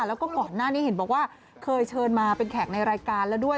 แล้วก็ก่อนหน้านี้เห็นบอกว่าเคยเชิญมาเป็นแขกในรายการแล้วด้วย